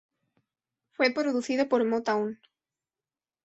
Fue producido por Motown.